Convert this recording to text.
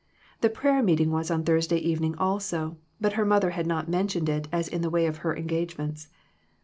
The prayer meeting was on Thursday evening also, but her mother had not mentioned it as in the way of her engagements.